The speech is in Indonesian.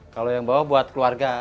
kalau yang bawa buat keluarga